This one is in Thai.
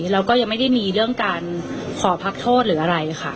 แล้วก็ยังไม่ได้มีเรื่องการขอพักโทษหรืออะไรค่ะ